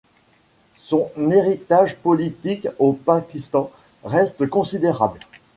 Son héritage politique au Pakistan reste considérable.